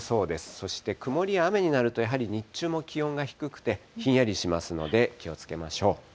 そして曇りや雨になるとやはり日中も気温が低くて、ひんやりしますので気をつけましょう。